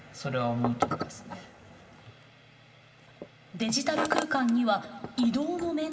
デジタル空間には移動の面倒もない。